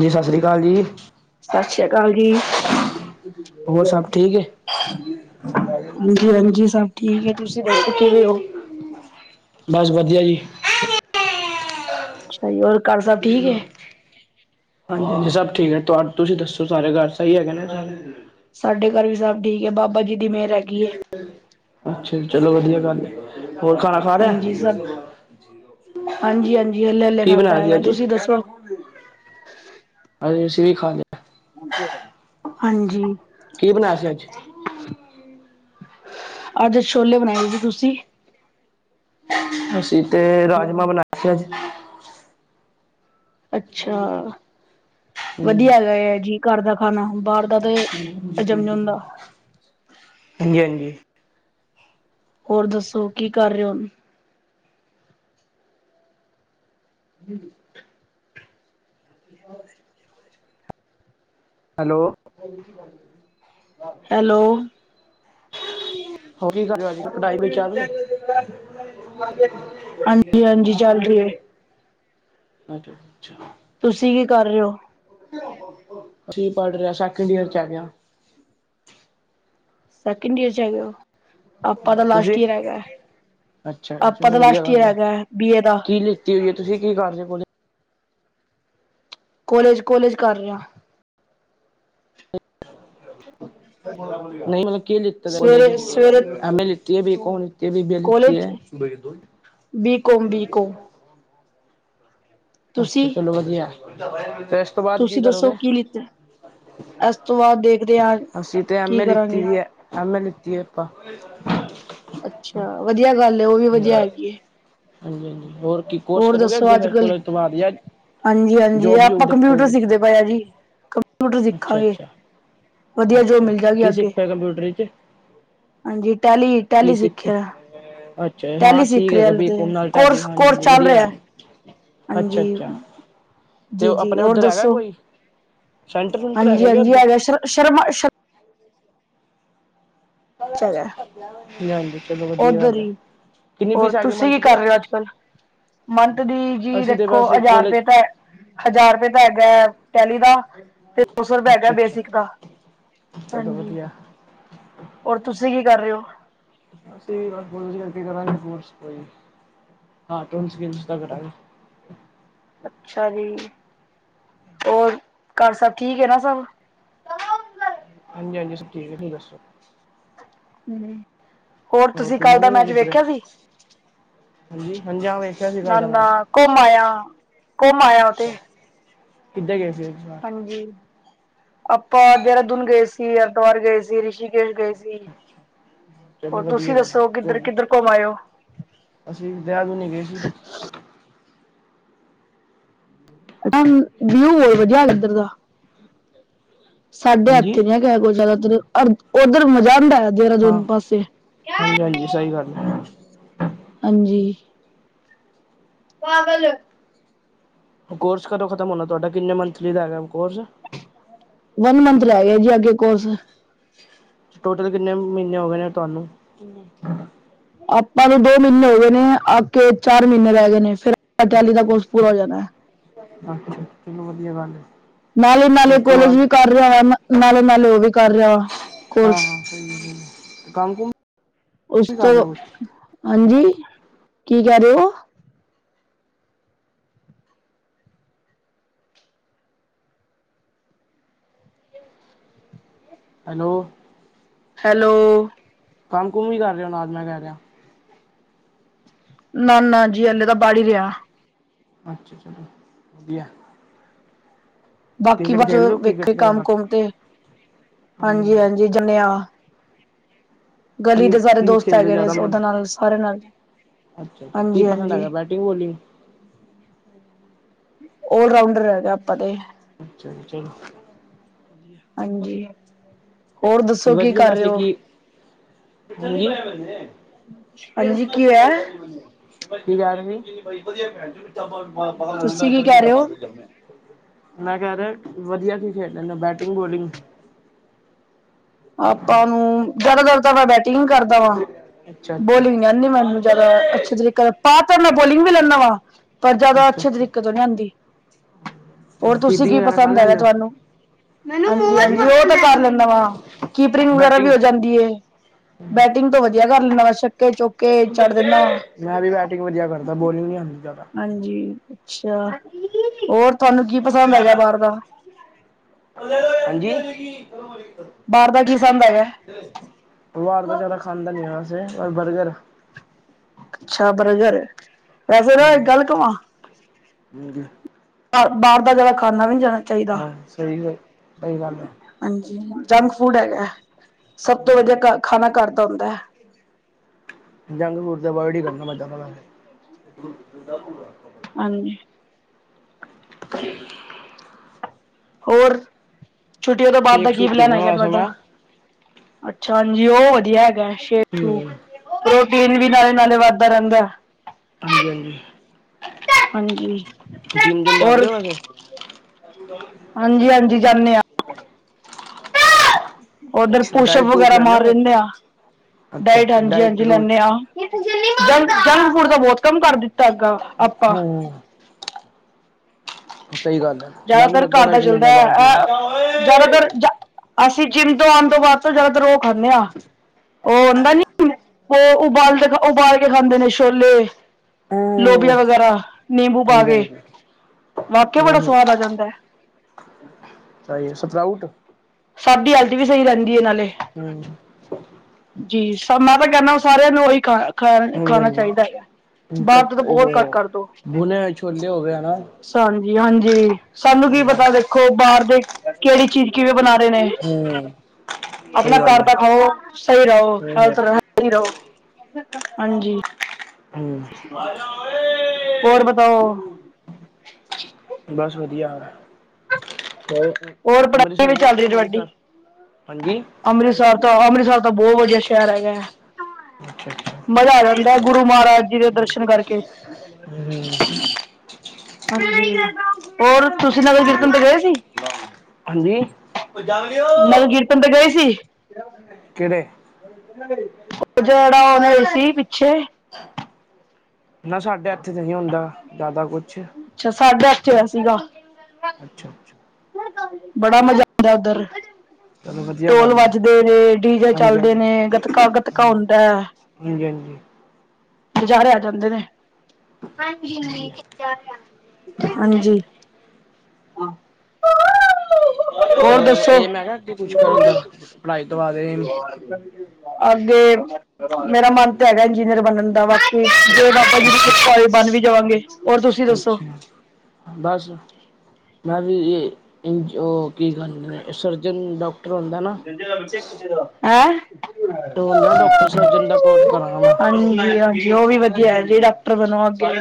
ਜੀ, ਸਤਿ ਸ੍ਰੀ ਅਕਾਲ ਜੀ। ਸਤਿ ਸ੍ਰੀ ਅਕਾਲ ਜੀ ਹੋਰ ਸਭ ਠੀਕ ਹੈ ਹਾਂਜੀ ਹਾਂਜੀ ਸਭ ਠੀਕ ਹੈ। ਤੁਸੀਂ ਦੱਸੋ ਕਿਵੇਂ ਹੋ। ਬਸ ਵਧੀਆ ਜੀ ਅੱਛਾ ਜੀ, ਹੋਰ ਘਰ ਸਭ ਠੀਕ ਹੈ। ਹਾਂਜੀ ਹਾਂਜੀ ਸਭ ਠੀਕ ਹੈ, ਤੁਹਾ ਤੁਸੀਂ ਦੱਸੋ ਸਾਰੇ ਘਰ ਸਹੀ ਹੈਗੇ ਨੇ। ਸਾਡੇ ਘਰ ਵੀ ਸਭ ਠੀਕ ਹੈ, ਬਾਬਾ ਜੀ ਦੀ ਮਿਹਰ ਹੈਗੀ ਹੈ ਅੱਛਾ, ਚਲੋ ਵਧੀਆ ਗੱਲ ਏ। ਹੋਰ ਖਾਣਾ ਖਾ ਲਿਆ। ਹਾਂਜੀ ਸਭ ਹਾਂਜੀ ਹਾਂਜੀ ਹੱਲੇ ਹੱਲੇ ਕੀ ਖਾਧਾ ਹੈਗਾ, ਤੁਸੀਂ ਦੱਸੋ। ਅਜ ਅਸੀਂ ਵੀ ਖਾ ਲਿਆ। ਹਾਂਜੀ। ਕੀ ਬਣਾਯਾ ਸੀ ਅੱਜ। ਅੱਜ ਛੋਲੇ ਬਣਾਏ ਸੀ ਤੁਸੀਂ। ਅਸੀਂ ਤੇ ਰਾਜਮਾਂ ਬਣਾਏ ਸੀ ਅੱਜ। ਅੱਛਾ। ਹਾਂਜੀ ਵਧੀਆ ਹੈਗਾ ਏ ਜੀ, ਘਰ ਦਾ ਖਾਣਾ ਬਾਹਰ ਦਾ ਤੇ ਹਜਮ ਨਹੀਂ ਹੁੰਦਾ। ਹਾਂਜੀ ਹਾਂਜੀ। ਹੋਰ ਦੱਸੋ ਕੀ ਕਰ ਰਹੇ ਹੋ। ਹੂ [inaudible] ਹੈਲੋ ਹੈਲੋ। [inaudible] ਹੋ ਅੱਜ ਪੜ੍ਹਾਈ ਪੜੂਈ ਚੱਲ ਰਹੀ ਹਾਂਜੀ-ਹਾਂਜੀ ਚੱਲ ਰਹੀ ਹੈ। ਅੱਛਾ-ਅੱਛਾ। ਤੁਸੀਂ ਕੀ ਕਰ ਰਹੇ ਹੋ। ਅਸੀਂ ਪੜ ਰਿਹਾ ਸੈਕਿੰਡ ਈਅਰ ਚ ਹੈਗੇ ਆ ਗਿਆ। ਸੈਕਿੰਡ ਈਅਰ ਚ ਹੈਗੇ ਹੋ ਆਪਾਂ ਤਾਂ ਲਾਸਟ ਤੁਸੀਂ। ਈਅਰ ਹੈਗਾ ਅੱਛਾ ਆਪਾਂ ਚਲੋ ਦਾ ਵਧੀਆ ਲਾਸਟ ਈਅਰ ਗੱਲ ਹੈ ਹੈਗਾ ਬੀ ਏ ਦਾ ਕੀ ਲਿਖਤੀ ਹੋਈ ਹੈ ਤੁਸੀਂ ਕੀ ਕਾਰਜ ਕੋਲ ਕੋਲੇਜ ਕੋਲੇਜ ਕਰ ਰਿਹਾ। ਨਹੀਂ ਮਤਲਬ ਕੀ ਲਿੱਤਾ ਦਾ ਕਾਲਜ ਸਵੇਰੇ ਸਵੇਰੇ ਵਿੱਚ ਐਮ ਏ ਲਿਤੀ ਏ, ਬੀਕੋਮ ਲਿਤੀ ਏ, ਕਿ ਬੀ ਬੀ ਏ ਲਿਤੀ ਕੋਲੇਜ ਏ। [inaudible] ਬੀ ਕੋਮ ਬੀ ਕੋਮ ਅੱਛਾ। ਤੁਸੀਂ ਚਲੋ ਵਧੀਆ ਤੇ ਇਸ ਤੋਂ ਬਾਅਦ ਕੀ ਤੁਸੀਂ ਦੱਸੋ ਕਰੋਗੇ। ਕੀ ਲਿੱਤਾ ਇਸ ਤੋਂ ਬਾਅਦ ਦੇਖਦੇ ਹਾਂ ਅਸੀਂ ਤੇ ਐਮ ਕੀ ਏ ਲਿੱਤੀ ਕਰਾਂਗੇ ਦੀ ਹੈ ਐਮ ਏ ਵਦੀਆ ਆਪਾਂ। ਅੱਛਾ ਵਧੀਆ ਗੱਲ ਉਹ ਵੀ ਵਧੀਆ ਹੈਗੀ ਐ। ਹਾਂਜੀ-ਹਾਂਜੀ ਹੋਰ। ਕੀ ਕੋਰਸ ਹੋਰ ਕਰੋਗੇ ਦੱਸੋ ਅੱਗੇ ਅੱਜ ਫਿਰ ਕੱਲ ਕੋਲਜ ਤੋਂ ਬਾਅਦ ਜਾਂ ਹਾਂਜੀ-ਹਾਂਜੀ ਜੋਬ ਜੂਬ ਆਪਾਂ ਕੰਪਿਊਟਰ ਦੇਖੋਗੇ ਕਿਤੇ? ਸਿੱਖਦੇ ਪਏਆ ਜੀ। ਕੰਪਿਊਟਰ ਅੱਛਾ ਸਿੱਖਾਂਗੇ ਅੱਛਾ ਵਧੀਆ ਜੋਬ ਅੱਛਾ ਮਿਲ ਜਾਏਗੀ ਕੀ ਅੱਗੇ। ਸਿੱਖਿਆ ਕੰਪਿਊਟਰ ਵਿੱਚ ਹਾਂਜੀ ਕੀ ਟੈਲੀ-ਟੈਲੀ ਸਿੱਖ ਸਿੱਖਿਆ ਦਾ। ਅੱਛਾ ਹਾਂ ਟੈਲੀ ਸਿੱਖ ਠੀਕ ਰਿਹਾ ਹੈਗਾ ਹਲੇ ਬੀ ਤੇ। ਕੌਮ ਨਾਲ ਟੈਲੀ ਕੋਰਸ- ਹਾਂਜੀ ਕੋਰਸ ਹਾਂਜੀ ਚੱਲ ਵਧੀਆ। ਰਿਹਾ ਅੱਛਾ ਹਾਂਜੀ। ਅੱਛਾ ਤੇ ਜੀ ਜੀ ਆਪਣੇ ਹੋਰ ਉੱਧਰ ਹੈਗਾ ਦੱਸੋ। ਕੋਈ ਸੈਂਟਰ ਸੁੰਟਰ ਕਿ ਹਾਂਜੀ-ਹਾਂਜੀ ਉੱਧਰ? ਹੈਗਾ ਸ਼ਰ ਸ਼ਰਮਾ ਸ਼ਰਮਾ 'ਚ ਹੈਗਾ ਹਾਂਜੀ, ਚਲੋ ਵਧੀਆ ਉਧਰ ਗੱਲ ਹੈ। ਹੀ ਕਿੰਨੀ ਹੋਰ ਫੀਸ ਆ ਗਈ ਤੁਸੀਂ ਕੀ ਕਰ ਮੰਥਲੀ ਰਹੇ ਹੋ ਅੱਜ ਕੱਲ। ਮੰਥ ਦੀ ਜੀ ਅਸੀਂ ਤੇ ਦੇਖੋ ਬਸ ਹਜ਼ਾਰ ਕੋਲਜ ਰੁਪਏ ਤਾਂ, ਹਜ਼ਾਰ ਰੁਪਏ ਤਾਂ ਹੈਗਾ। ਟੈਲੀ ਦਾ ਤੇ ਦੋ ਸੋ ਰੁਪਏ ਹੈਗਾ ਅੱਛਾ ਅੱਛਾ ਬੇਸਿਕ ਦਾ। ਚਲੋ ਹਾਂਜੀ! ਵਧੀਆ ਹੋਰ ਤੁਸੀਂ ਕੀ ਕਰ ਰਹੇ ਹੋ? ਅਸੀਂ ਤਾਂ ਗੁਰੁ ਜੀ ਅਗੇ ਕਰਾਂਗੇ ਕੇਰਸ ਕੇਇ। [unintelligible] ਅੱਛਾ ਜੀ ਹੋਰ ਘਰ ਸਭ ਠੀਕ ਹੈ ਨਾ ਸਭ। ਹਾਂਜੀ-ਹਾਂਜੀ ਸਬ ਠੀਕ ਹੈ ਤੁਸੀ ਦੱਸੋ। ਹੋਰ ਤੁਸੀਂ ਕੱਲ ਘੁੰਮਣ ਨੀ ਦਾ ਗਏ ਮੈਚ ਕਿੱਧਰੇ ਵੇਖਿਆ ਸੀ। ਹਾਂਜੀ। ਹਾਂਜੀ ਹਾਂ ਵੇਖਿਆ ਸੀ ਕੱਲ ਨਾ ਦਾ ਨਾ ਮੈਚ ਘੁੰਮ ਆਇਆ, ਘੁੰਮ ਆਇਆ ਓ ਤੇ। ਕਿੱਦਾਂ ਗਏ। ਸੀ ਇਸ ਵਾਰ ਹਾਂਜੀ ਆਪਾਂ ਦੇਹਰਾਦੂਨ ਗਏ ਸੀ, ਹਰਿਦਵਾਰ ਗਏ ਸੀ ਰਿਸ਼ੀ ਗਏ ਸੀ ਚਲੋ ਹੋਰ ਤੁਸੀਂ ਵਧੀਆ ਗੱਲ ਹੈ ਦੱਸੋ ਕਿੱਧਰ-ਕਿੱਧਰ ਘੁੰਮ ਆਇਓ। ਅਸੀਂ ਵੀ ਦੇਹਰਾਦੂਨ ਹੀਂ ਗਏ ਸੀ ਨ ਵਿਊ ਬੋਹਤ ਵਧੀਆ ਇੱਧਰ ਦਾ। ਸਾਡੇ ਹਾਂਜੀ ਹੱਥੇ ਨੀ ਹੈਗਾ ਕੋਈ। ਜ਼ਿਆਦਾਤਰ ਉੱਧਰ ਮਜ਼ਾ ਆਂਦਾ ਹਾਂ, ਦੇਹਰਾਦੂਨ ਪਾਸੇ। ਹਾਂਜੀ-ਹਾਂਜੀ ਸਹੀ ਗੱਲ ਏ। ਹਾਂਜੀ। ਪਾਗਲ ਕੋਰਸ ਕਦੋਂ ਖਤਮ ਹੋਣਾ ਤੁਹਾਡਾ? ਕਿੰਨੇ ਮੰਥਲੀ ਦਾ ਹੈਗਾ ਕੋਰਸ ਵਨ ਮੰਥ ਰਹਿ ਗਿਆ ਜੀ ਅੱਗੇ ਕੋਰਸ। ਟੋਟਲ ਕਿੰਨੇ ਮਹੀਨੇ ਹੋ ਗਏ ਨੇ ਤੁਹਾਨੂੰ? ਆਪਾਂ ਵੀ ਦੋ ਮਹੀਨੇ ਹੋ ਗਏ ਨੇ, ਆਠ ਕੇ ਚਾਰ ਮਹੀਨੇ ਰਹਿ ਗਏ ਨੇ। ਫੇਰ ਟੈਲੀ ਦਾ ਕੋਰਸ ਪੂਰਾ ਹੋ ਜਾਣਾ ਐ। ਇਹ ਗੱਲ ਹੈ ਨਾਲੇ-ਨਾਲੇ ਉਸ ਤੋਂ ਕੋਲੇਜ ਬਾਅਦ ਵੀ ਕਰ ਰਿਹਾ ਵਾ, ਨਾਲੇ-ਨਾਲੇ ਉਹ ਵੀ ਕਰ ਰਿਹਾ ਵਾ। ਹਾਂ ਹਾਂ ਕੋਰਸ। ਸਹੀ ਹੈ ਸਹੀ ਹੈ ਕੰਮ ਕੁਮ ਉਸ ਵੀ ਕਰ ਤੋਂ, ਰਹੇ ਹੋ ਹਾਂਜੀ? ਕੀ ਕਹਿ ਰਹੇ ਹੋ? ਹੈਲੋ। ਹੈਲੋ? ਕੰਮ-ਕੁਮ ਵੀ ਕਰ ਰਿਹੇ ਨਾਲ? ਮੈਂ ਕਹਿ ਰਿਹਾ। ਨਾ-ਨਾ ਜੀ। ਅੱਲਲੇ ਦਾ ਬੜ ਹੀ ਰਿਹਾ। ਅੱਛਾ ਚਲੋ। ਵਧਿਆ। ਬਾਕੀ ਬਟ ਵੇਖੇ ਵਗੈਰਾ ਕੰਮ-ਕੁਮ ਤੇ। ਹਾਂਜੀ ਹਾਂਜੀ ਹਾਂਜੀ-ਹਾਂਜੀ ਜਨੇਂ ਆ। ਗਲੀ ਕੀ ਦੇ ਸਾਰੇ ਕੀ ਦੋਸਤ ਖੇਲਦੇ ਹੈਗੇ ਨੇ, ਜ਼ਿਆਦਾ ਮਨ ਉਦੇ ਨਾਲ ਸਾਰੇ ਨਾਲ। ਅੱਛਾ ਜੀ। ਕੀ ਹਾਂਜੀ ਪਸੰਦ ਹੈਗਾ ਹਾਂਜੀ ਬੈਟਿੰਗ-ਬੋਲਿੰਗ? ਓਲ ਰਾਊਂਡਰ ਹੈਗਾ ਆਪਾਂ ਤੇ। ਅੱਛਾ ਜੀ ਚਲੋ ਹਾਂਜੀ। ਹੋਰ ਦੱਸੋ ਕੀ ਵਧੀਆ ਕਰ ਰਹੇ ਵੈਸੇ ਹੋ? ਕੀ ਹਾਂਜੀ [unintelligible] [unintelligible] ਹਾਂਜੀ ਕੀ ਹੋਇਆ ਬੜੀ ਵਧੀਆ ਹੈ ਭੈਣਜੀ ਤੁਸੀਂ ਕੀ ਕਹਿ ਰਹੇ ਹੋ [unintelligible] ਮੈਂ ਕਹਿ ਰਿਹਾ ਵਧੀਆ ਕੀ ਖੇਡ ਲੈਂਦਾ? ਬੈਟਿੰਗ-ਬੋਲਿੰਗ। ਆਪਾਂ ਨੂੰ। ਜ਼ਿਆਦਾ ਤਰ ਤਾਂ ਮੈਂ ਬੈਟਿੰਗ ਕਰਦਾ ਵਾਂ। ਅੱਛਾ-ਅੱਛਾ। ਬੋਲਿੰਗ ਨੀ ਆਦੀ ਮੈਨੂੰ ਜਿਆਦਾ ਅੱਛੇ ਤਰੀਕੇ ਨਾ, ਪਾ ਤਾਂ ਮੈਂ ਬੋਲਿੰਗ ਵੀ ਲੈਂਦਾ ਵਾ ਪਰ, ਜ਼ਿਆਦਾ ਅੱਛੇ ਅੱਛਾ-ਅੱਛਾ ਤਰੀਕੇ ਤੋਂ ਨਹੀ ਆਉਂਦੀ। ਹੋਰ ਚਲੋ ਤੁਸੀਂ ਕੀਪਿੰਗ ਕੀ ਵਗੈਰਾ ਕਰ ਪਸੰਦ ਹੈਗਾ ਲੈਂਦੇ ਹੋ? ਤੁਹਾਨੂੰ? ਹਾਂਜੀ-ਹਾਂਜੀ ਹਾਂਜੀ ਉਹ ਤੇ ਕਰ ਲੈਂਦਾ ਵਾਂ। ਕੀਪਰਿੰਗ ਵਗੈਰਾ ਵੀ ਬੈਟਿੰਗ ਹੋ ਜਾਂਦੀ ਹੈ। ਬੈਟਿੰਗ ਤੋਂ ਵਧੀਆ ਕਰ ਲੈਣਾ ਵੈਸੇ ਤੇ ਚੁੱਕਕੇ ਚੜ੍ਹ ਦਿੰਨਾ। ਮੈਂ ਵੀ ਬੈਟਿੰਗ ਵਧੀਆ ਕਰਦਾ ਬੋਲਿੰਗ ਨੀ ਆਂਦੀ ਜ਼ਿਆਦਾ। ਹਾਂਜੀ। ਅੱਛਾ ਹੋਰ ਤੁਹਾਨੂੰ ਕੀ ਪਸੰਦ ਹੈਗਾ ਬਾਹਰ ਦਾ? ਹਾਂਜੀ। ਬਾਹਰ ਦਾ ਕਿ ਸਬ ਬਾਰ ਤਾਂ ਜ਼ਿਆਦਾ ਖਾਂਦਾ ਨੀ ਆ ਵੈਸੇ, ਪਰ ਬਰਗਰ ਅੱਛਾ ਬਰਗਰ। ਵੈਸੇ ਨਾ ਇੱਕ ਗੱਲ ਕਵਾਂ ਹੂ ਜੀ ਬ-ਬਾਹਰ ਦਾ ਜਿਆਦਾ ਖਾਣਾ ਵੀ ਨਹੀਂ ਜਾਣਾ ਚਾਹੀਦਾ। ਹਾਂ। ਸਹੀ ਗੱਲ। ਸਹੀ ਗੱਲ ਹੈ। ਹਾਂਜੀ ਜੰਕ ਫੂਡ ਹੈਗਾ। ਸਭ ਤੋਂ ਵਧੀਆ ਖਾਣਾ ਘਰ ਦਾ ਹੁੰਦਾ ਹੈ। ਜੰਗ ਫੂਡ ਤੇ ਅਵੋਡ ਹੀ ਕਰਨਾ ਮੈਂ ਜਿਆਦਾਤਰ ਤੇ। ਹਾਂਜੀ। [inaudible] ਹੋਰ? ਛੁੱਟੀਆਂ ਤੋਂ ਬਾਅਦ ਦਾ ਸ਼ੇਕ ਕੀ ਸ਼ੂਕ ਪਲੈਨ ਪੀਂਦਾ ਹੈਗਾ ਵੈਸੇ ਤੁਹਾਡਾ? ਮੈਂ ਹੂੰ ਅੱਛਾ ਹਾਂਜੀ। ਉਹ ਵਧੀਆ ਹੈਗਾ [unintelligible] ਬਿਲ ਵੀ ਨਾਲੇ-ਨਾਲੇ ਵੱਧਦਾ ਰਹਿੰਦਾ। ਹਾਂਜੀ-ਹਾਂਜੀ। ਹਾਂਜੀ ਜਿੰਮ-ਜੁਮ ਹੋਰ ਜਾਂਦੇ ਹੋ ਵੈਸੇ? ਹਾਂਜੀ ਹਾਂਜੀ ਜਾਂਦੇ ਹਾਂ। [inaudible] ਓਧਰ ਪੋਸ਼ਪ ਡਾਇਟ ਡੂਟ ਵਗੈਰਾ ਲੈਂਦੇ ਮਾਰ ਹੋ? ਰਹਿੰਦੇ ਆ। ਅੱਛਾ ਡਾਇਟ ਅੱਛਾ ਹਾਂਜੀ-ਹਾਂਜੀ ਡੂਇਟ ਲੈਂਦੇ ਹਾਂ। ਜੰ ਜੰਕ ਫੂਡ ਦਾ ਬਹੁਤ ਕੰਮ ਕਰ ਦਿੱਤਾ ਹੈਗਾ, ਆਪਾਂ। ਹੂੰ ਸਹੀ ਗੱਲ ਹੈ ਮੈਂ ਵੀ ਜ਼ਿਆਦਾਤਰ ਘਰ ਲੱਗਾਗਾ ਦਾ ਇੱਕ ਚੱਲਦਾ ਮਹੀਨੇ ਹੈ ਬਾਅਦ ਜਿਮ ਅ ਹੂੰ ਜ਼ਿਆਦਾਤਰ ਜ ਅਸੀਂ ਜਿੰਮ ਤੋਂ ਆਉਣ ਤੋਂ ਬਾਅਦ ਤੋਂ ਜ਼ਿਆਦਾਤਰ ਓਹ ਖਾਂਦੇ ਹਾਂ। ਉਹ ਆਦਾ ਨੀ ਹ ਉਹ ਉਬਾਲਦੇ ਉਬਾਲ ਕੇ ਖਾਂਦੇ ਨੇ ਸ਼ੇਲੇ, ਲੋਬੀਆਂ ਵਗੈਰਾ। ਨਿੰਬੂ ਪਾ ਹਾਂਜੀ ਕੇ, ਹਾਂਜੀ ਵਾਕਿਆ ਹੂੰ ਬੜਾ ਹੂੰ ਸਵਾਦ ਆ ਜਾਂਦਾ ਹੈ। ਸਹੀ ਹੈ ਸਪਰਾਊਟ [unintelligible] ਵੀ ਸਹੀ ਜਾ ਕਈ। ਹੁਂ। ਜੀ। ਮੈਂ ਤਾਂ ਕਹਿੰਦਾ ਸਾਰਿਆਂ ਨੂੰ ਉਹੀ ਖਾ-ਖਾ- ਹਾਂਜੀ ਖਾਣਾ ਹਾਂਜੀ ਚਾਹੀਦਾ ਹੈਗਾ। ਬਾਹਰ ਤੇ ਕੱਟ ਤਾਂ ਬਹੁਤ ਘੱਟ ਉਹ ਕਰਦੋ ਭੁਨੇ ਹੋਏ ਛੋਲੇ ਹੋ ਗਏ ਹੈ ਨਾ ।ਸ ਹਾਂਜੀ। ਸਾਨੂੰ ਕੀ ਪਤਾ ਦੇਖੋ ਬਾਹਰ ਦੇ ਕਿਹੜੀ ਚੀਜ਼ ਕਿਵੇਂ ਬਣਾ। ਰਹੇ ਨੇ ਹੂ ਆਪਣਾ ਘਰ ਦਾ ਖਾਓ। ਸਹੀ ਰਹੋ ਹਰ ਤਰ੍ਹਾਂ ਹੂੰ ਸਹੀ ਰਹੋ। ਹਾਂਜੀ ਓਰ ਬਤਾਓ। ਬਸ ਵਧੀਆ ਹੋਰ ਹੋਰ ਪੜ੍ਹਾਈ ਅੰਮ੍ਰਿਤਸਰ ਵੀ ਗਏ ਚੱਲ ਸੀ ਰਹੀ ਤੁਹਾਡੀ ।ਅੰਮ੍ਰਿਤਸਰ ਹਾਂਜੀ ਅੰਮ੍ਰਿਤਸਰ ਤੋਂ ਅੰਮ੍ਰਿਤਸਰ ਤਾਂ ਬਹੁਤ ਵਧੀਆ ਸ਼ਹਿਰ ਹੈਗਾ ਅੱਛਾ ਹੈ। ਅੱਛਾ ਮਜ਼ਾ ਆ ਜਾਂਦਾ ਗੁਰੂ ਮਹਾਰਾਜ ਜੀ ਦੇ ਦਰਸ਼ਨ ਕਰਕੇ ਅੱਛਾ। ਹੋਰ ਤੁਸੀ ਨਗਰ ਕੀਰਤਨ ਤੇ ਹੂੰ ਗਏ ਸੀ? ਹਾਂਜੀ ਉਹ ਜੰਗਲੀਓ ਨਗਰ ਕੀਰਤਨ ਤੇ ਗਏ ਸੀ? ਕਿਹੜੇ ਉਹਜ ਜਿਹੜਾ ਉਹਨ ਸੀ। ਪਿੱਛੇ ਨਾ ਸਾਡੇ ਏਥੇ ਤੇ ਨਹੀਂ ਹੁੰਦਾ। ਜ਼ਿਆਦਾ ਕੁਛ ਅੱਛਾ। ਸਾਢੇ ਏਥੇ ਹੋਇਆ ਸੀਗਾ। ਅੱਛਾ ਅੱਛਾ ਬੜਾ ਮਜ਼ਾ ਆਉਂਦਾ ਉਧਰ ਚਲੋ ਵਧੀਆ ਢੋਲ ਗੱਲ ਹੈ ਵੱਜਦੇ ਨੇ ਡੀਜੇ ਹਾਂਜੀ ਚਲਦੇ ਹਾਂਜੀ ਨੇ ਗਤਕਾ ਗਤਕਾ ਹਾਂਜੀ ਹੁੰਦਾ ਹੈ। ਹਾਂਜੀ ਹਾਂਜੀ ਨਜ਼ਾਰੇ ਆ ਜਾਂਦੇ ਨੇ ਹਾਂਜੀ ਵਧੀਆ ਹਾ [inaudible] ਹੋਰ ਦੱਸੋ। ਇਹ ਮੈਂ ਕਿਹਾ ਅੱਗੇ ਕੁਛ ਕਰਨ ਦਾ ਪੜ੍ਹਾਈ ਤੋਂ ਬਾਅਦ ਇਹ ਅੱਗੇ ਮੇਰਾ ਮਨ ਤਾਂ ਹੈਗਾ ਇੰਜੀਨੀਅਰ ਬਣਨ ਦਾ ਬਸ ਤੇ ਜੇ ਬਾਬਾ ਜੀ ਦੀ ਸ਼ਹੀਦੀ ਅੱਛਾ ਕ੍ਰਿਪਾ ਨਾਲ ਬਣ ਵੀ ਜਾਵਾਂਗੇ। ਹੋਰ ਤੁਸੀਂ ਦੱਸੋ ਅੱਛਾ। ਬਸ ਮੈਂ ਵੀ ਇ ਉਹ ਕੀ ਕਰਦੇ ਨੇ ਸਰਜਨ ਡਾਕ [unintelligible] ਉਹ ਨਾ ਡਾਕਟਰ ਸਰਜਨ ਦਾ ਕੋਰਸ ਕਰਾਂ ਹਾਂਜੀ ਹਾਂਜੀ। ਉਹ ਵੀ ਵਧੀਆ ਹੈ। ਜ ਡਾਕਟਰ ਬਣੋ ਅੱਗੇ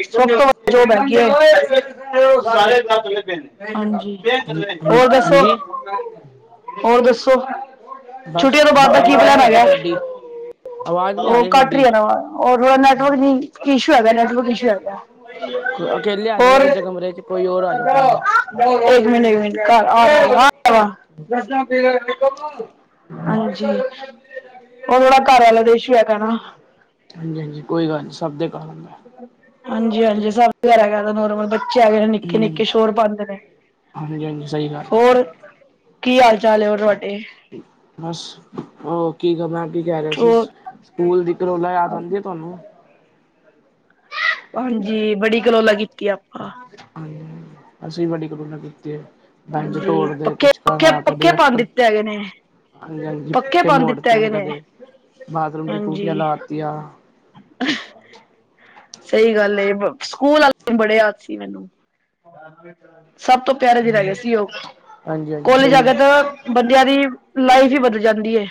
ਜੋ [inaudible] ਹਾਂਜੀ। ਹੋਰ ਦੱਸੋ ਹਾਂਜੀ ਹੋਰ ਦੱਸੋ। ਬਸ ਛੁੱਟੀਆਂ ਤੋਂ ਬ ਬਾਅਦ ਦਾ ਕੀ ਆਵਾਜ਼ ਪਲਾਨ ਨਹੀਂ ਆ ਰਹੀ ਹੈਗਾ ਤੁਹਾਡੀ ਆਵਾਜ਼ ਨਹੀਂ ਆ ਉਹ ਰਹੀ ਕੱਟ ਹੀ ਤੁਹਾਡੀ ਜਾਣਾ ਵਾਰ ਨੈਟਵਰਕ ਨ ਇਸ਼ੂ ਹੈਗਾ ਨੈਟਵਰਕ ਇਸ਼ੂ ਹੈਗਾ। ਅਕੇਲੇ ਆ ਹੋਰ ਜਾਣਾ ਕਿਸੇ ਕਮਰੇ ਚ ਕੋਈ ਹੋਰ ਆ ਜਾਓ ਕਮਰੇ ਚ ਇੱਕ ਮਿੰਟ ਮਿੰਟ ਘਰ ਆ ਹਾਂਜੀ ਉਹ ਥੋੜ੍ਹਾ ਘਰ ਵਾਲਾ ਦੇਸੂ ਹੇਗਾ ਨਾ। ਹਾਂਜੀ ਹਾਂਜੀ ਕੋਈ ਗੱਲ ਨਹੀਂ ਸਭ ਦੇ ਘਰ ਹੁੰਦਾ ਹਾਂਜੀ ਹਾਂਜੀ, ਸਭ ਰਹਿ ਗਯਾ ਨੋਰਮਲ ਬੱ ਬੱਚੇ ਹੇਗੇ ਨੇ ਹੂੰ ਨਿੱਕੇ-ਨਿੱਕੇ ਸ਼ੋਰ ਪਾਂਦੇ ਨੇ। ਹਾਂਜੀ ਹਾਂਜੀ ਸਹੀ ਗੱਲ ਹੈ ਕੀ ਹਾਲ-ਚਾਲ ਹੋਰ ਤੁਹਾ ਬਸ ਔ ਕੀ ਕ ਮੈਂ ਕੀ ਕਹਿ ਰਿਹਾ ਸੀ ਉਹ ਸਕੂਲ ਦੀ ਕਲੋਲਾਂ ਯਾਦ ਆਂਦੀ ਏ ਤੁਹਾਨੂੰ? ਹਾਂਜੀ, ਬੜੀ ਕਲੋਲਾ ਕੀਤੀ ਆਪਾਂ। ਅਸੀਂ ਵੀ ਬੜੀ ਕਲੋਲਾ ਕੀਤੀ ਏ, ਬੇਂਚ ਹਾਂਜੀ ਤੋੜਦੇ, ਪੱਕੇ ਕੁਛ ਪੱਕੇ ਕਰਨਾ, ਕਦੇ ਪੱਕੇ ਪਾਉਣ ਡਸਟਰ ਦਿੱਤੇ ਹੈਗੇ ਨੇ ਹਾਂਜੀ ਹਾਂਜੀ, ਪੱਕੇ ਪਖੇ ਪਾਉਣ ਦਿੱਤੇ ਮੋੜਤੇ ਹੈਗੇ ਨੇ ਕਦੇ ਬਾਥਰੂਮ ਦੀ ਹਾਂਜੀ ਟੂਟੀਆਂ ਲਾਤੀਆਂ ਸਹੀ ਗੱਲ ਏ ਸਕੂਲ ਆਲੇ ਬੜੇ ਯਾਦ ਸੀ ਮੈਨੂੰ। ਸਭ ਤੋਂ ਪਿਆਰੇ ਦਿਨ ਹੈਗੇ ਸੀ ਔ ਹਾਂਜੀ ਹਾਂਜੀ ਕੋਲਜਾ ਸਹੀ ਜਾਕੇ ਹੈ ਤੋਹ ਬੰਦਿਆਂ ਦੀ ਲਾਈਫ ਹੀ ਬਦਲ ਜਾਂਦੀ ਏ।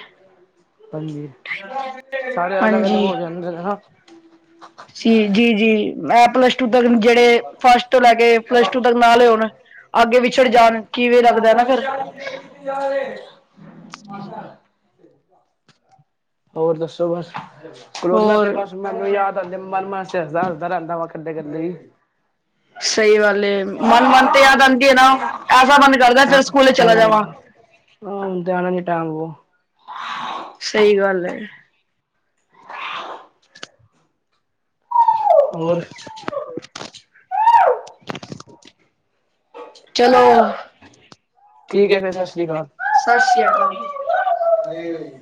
ਹਾਂਜੀ ਸਾਰੇ ਅਲੱਗ-ਅਲੱਗ ਹੋ ਜਾਂਦੇ ਨੇ ਨਾ। ਜੀ ਜੀ ਜੀ, ਮੈਂ ਪਲੱਸ ਟੁ ਤੱਕਣ ਜਿਹੜੇ, ਫਸਟ ਤੋਂ ਲੈ ਕੇ ਪਲੱਸ ਟੂ ਤੱਕ ਨਾਲ ਹੋਣ। ਅੱਗੇ ਵਿਛੜ ਜਾਣ ਕਿਵੇਂ ਲੱਗਦਾ ਨਾ ਫਿਰ [unintelligible] ਜਾਹੇ। [inaudible] ਹੋਰ ਦੱਸੋ? ਬਸ ਕਲੋਲਾ ਤੇ ਹੋਰ ਬਸ ਮੈਨੂੰ ਯਾਦ ਆਂਦੇ ਮਨ ਮਨ ਚ ਹੱਸਦਾ ਹੱਸਦਾ ਰਹਿੰਦਾ ਵਾੱ ਕਲੇ ਗੱਲੇ ਹੀ ਸਹੀ ਗੱਲ ਏ। ਹਾਂ, ਮਨ ਮਨ ਤੇ ਯਾਦ ਹੁਣ ਆਂਦੀ ਏ ਨਾ ਐਸਾ ਮਨ ਕਰਦਾ ਫਿਰ ਸਕੂਲੇ ਚਲਾ ਜਾਵਾਂ ਤੇ ਆਨਾ ਨਹੀ ਟਾਈਮ ਵੋ। ਸਹੀ ਗੱਲ ਏ। ਹੋਰ? ਚਲੋ। ਠੀਕ ਹੈ ਫਿਰ ਸਤਿ ਸ੍ਰੀ ਅਕਾਲ, ਸਤਿ ਸ਼੍ਰੀ ਸ੍ਰੀ ਅਕਾਲ ਜੀ। ਅਕਾਲ ਜੀ।